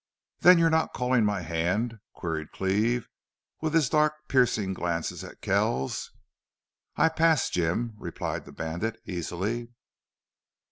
"Then you're not calling my hand?" queried Cleve, with his dark, piercing glance on Kells. "I pass, Jim," replied the bandit, easily.